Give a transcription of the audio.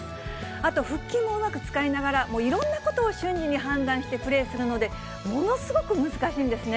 あと腹筋もうまく使いながら、いろんなことを瞬時に判断してプレーするので、ものすごく難しいんですね。